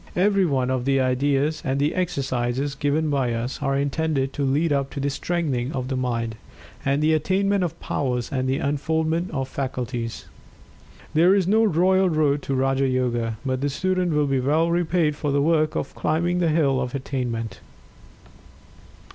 Every one of the ideas and exercises given by us are intended to lead up to the strengthening of the Mind, and the attainment of powers and the unfoldment of faculties. There is no royal road to Raja Yoga, but the student will be well repaid for the work of climbing the hill of Attainment.